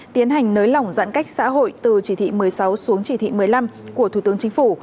tiến hành nới lỏng giãn cách xã hội từ chỉ thị một mươi sáu xuống chỉ thị một mươi năm của thủ tướng chính phủ